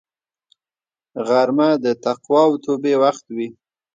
غرمه د تقوا او توبې وخت وي